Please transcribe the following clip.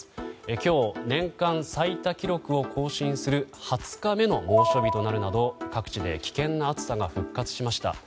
今日、年間最多記録を更新する２０日目の猛暑日となるなど各地で危険な暑さが復活しました。